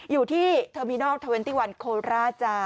อยู่ที่เทอร์มินอลทะเวนตี้วันโคลราชา